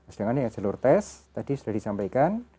sedangkan yang jalur tes tadi sudah disampaikan